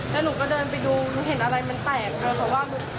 แล้วหนูก็เดินไปดูหนูเห็นอะไรมันแปลกค่ะว่า